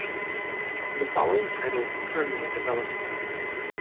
The following titles are currently in development.